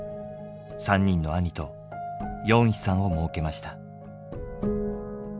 ３人の兄とヨンヒさんをもうけました。